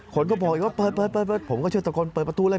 คนก็บอกอีกว่าเปิดเปิดผมก็ช่วยตะโกนเปิดประตูเลย